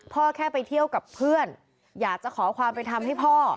พ่อแค่ไปเที่ยวกับเพื่อนอยากจะขอความไปทำให้พ่อ